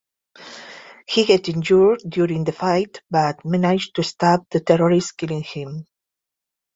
He gets injured during the fight but manages to stab the terrorist killing him.